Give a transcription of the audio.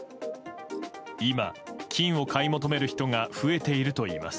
今、金を買い求める人が増えているといいます。